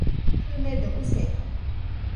Kɨnedo, usedo